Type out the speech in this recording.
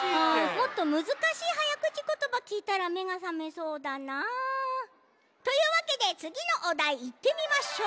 もっとむずかしいはやくちことばきいたらめがさめそうだな。というわけでつぎのおだいいってみましょう！